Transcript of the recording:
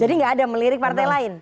jadi gak ada melirik partai lain